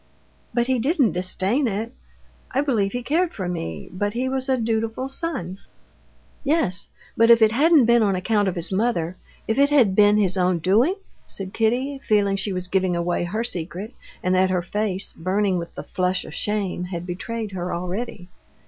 "But he didn't disdain it; I believe he cared for me, but he was a dutiful son...." "Yes, but if it hadn't been on account of his mother, if it had been his own doing?..." said Kitty, feeling she was giving away her secret, and that her face, burning with the flush of shame, had betrayed her already.